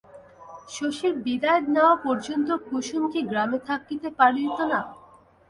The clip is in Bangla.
শশীর বিদায় নেওয়া পর্যন্ত কুসুম কি গ্রামে থাকিতে পারিত না?